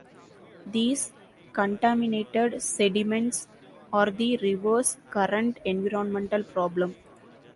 These contaminated sediments are the river's current environmental problem.